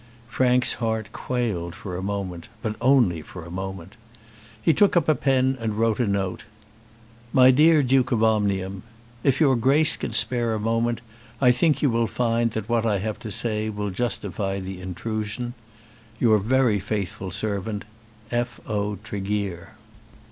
Frank's heart quailed for a moment, but only for a moment. He took up a pen and wrote a note. MY DEAR DUKE OF OMNIUM, If your Grace can spare a moment, I think you will find that what I have to say will justify the intrusion. Your very faithful servant, F. O. TREGEAR.